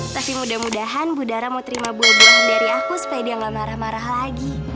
tapi mudah mudahan budara mau terima boboan dari aku supaya dia nggak marah marah lagi